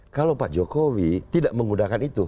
kalau pak jokowi tidak menggunakan itu